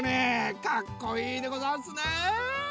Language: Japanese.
かっこいいでござんすね。